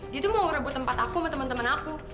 dia tuh mau ribut tempat aku sama temen temen aku